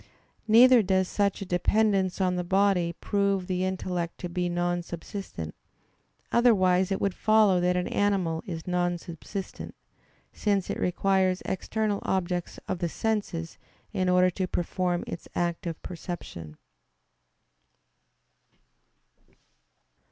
Neither does such a dependence on the body prove the intellect to be non subsistent; otherwise it would follow that an animal is non subsistent, since it requires external objects of the senses in order to perform its act of perception.